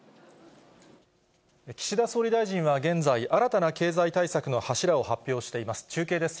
岸田総理大臣は現在、新たな経済対策の柱を発表しています。